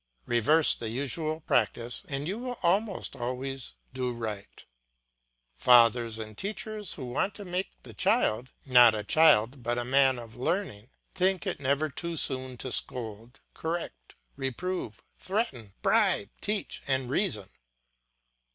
Reverse the usual practice and you will almost always do right. Fathers and teachers who want to make the child, not a child but a man of learning, think it never too soon to scold, correct, reprove, threaten, bribe, teach, and reason.